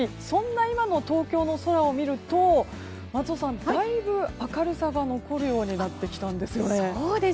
そんな今の東京の空を見ると松尾さん、だいぶ明るさが残るようになってきたんですよね。